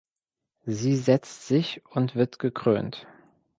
Sie setzt sich und wird gekrönt.